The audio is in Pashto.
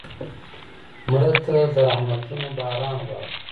مړه ته د رحمتونو باران غواړو